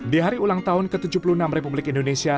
di hari ulang tahun ke tujuh puluh enam republik indonesia